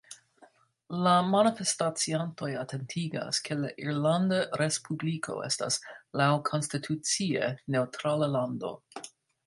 La manifestaciantoj atentigas, ke la Irlanda Respubliko estas laŭkonstitucie neŭtrala lando.